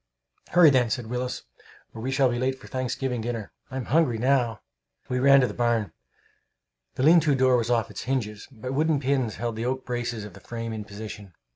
"Hurry, then," said Willis, "or we shall be late to Thanksgiving dinner! I'm hungry now!" We ran to the barn. The lean to door was off its hinges, but wooden pins held the oak braces of the frame in position.